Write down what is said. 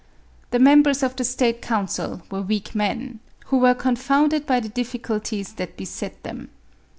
The members of the state council were weak men, who were con founded by the difficulties that beset them.